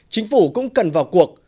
chính phủ cũng cần vào cuộc